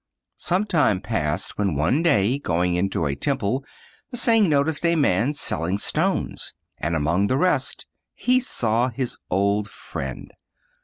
Some time passed away, when one day going into a temple Hsing noticed a man selling stones, and among the rest he saw his old friend.